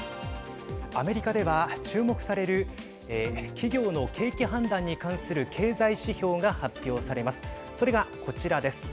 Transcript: アメリカでは、注目される企業の景気判断に関する経済指標が発表されます。